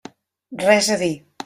Res a dir.